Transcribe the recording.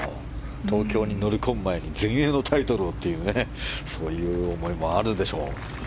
東京に乗り込む前に全英のタイトルをという思いもあるでしょう。